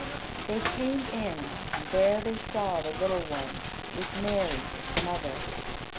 They came in, and there they saw the little one, with Mary, its mother.